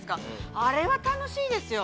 あれは楽しいですよ。